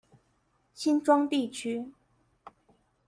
新莊地區